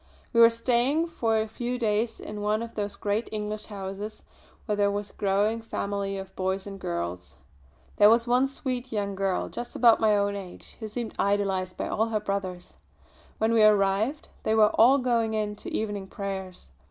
We were staying for a few days in one of those great English houses where there was a growing family of boys and girls. There was one sweet young girl, just about my own age, who seemed idolised by all her brothers. When we arrived they were all going in to evening prayers.